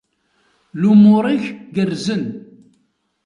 Lumuṛ-ik, gerrzen.